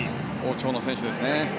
好調の選手ですね。